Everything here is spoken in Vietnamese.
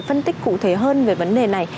phân tích cụ thể hơn về vấn đề này